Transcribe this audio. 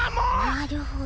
なるほど。